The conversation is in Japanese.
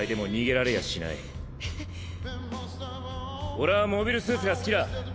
俺はモビルスーツが好きだ。